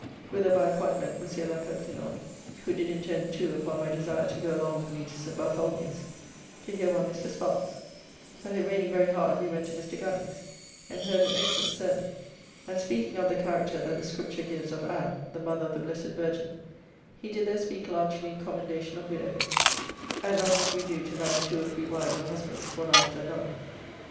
] whither by appointment Monsieur L'Impertinent, who did intend too upon my desire to go along with me to St. Bartholomew's, to hear one Mr. Sparks, but it raining very hard we went to Mr. Gunning's and heard an excellent sermon, and speaking of the character that the Scripture gives of Ann the mother of the blessed Virgin, he did there speak largely in commendation of widowhood, and not as we do to marry two or three wives or husbands, one after another.